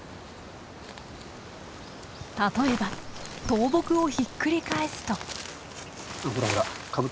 例えば倒木をひっくり返すと。